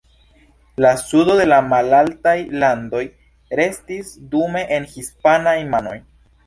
La sudo de la Malaltaj Landoj restis dume en hispanaj manoj.